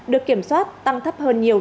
được kiểm soát tăng thấp hơn nhiều